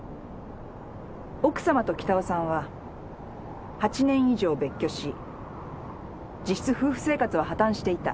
奥さまと北尾さんは８年以上別居し実質夫婦生活は破綻していた。